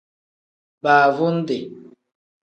Baavundi.